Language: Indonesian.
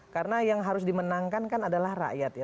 karena yang harus dimenangkan kan adalah rakyat ya